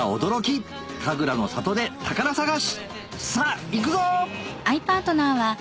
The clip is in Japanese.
さぁ行くぞ！